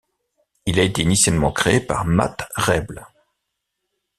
Il a été initialement créé par Matt Raible.